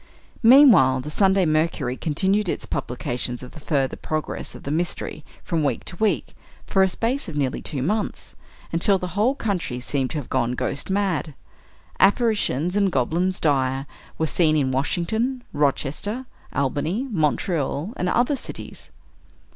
Meanwhile, the "Sunday Mercury" continued its publications of the further progress of the "mystery," from week to week, for a space of nearly two months, until the whole country seemed to have gone ghost mad. Apparitions and goblins dire were seen in Washington, Rochester, Albany, Montreal, and other cities.